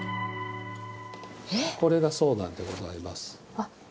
これがそうなんでございます。